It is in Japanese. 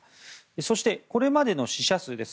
そして、これまでの死者数です。